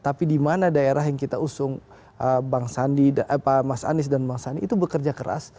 tapi di mana daerah yang kita usung mas anies dan bang sandi itu bekerja keras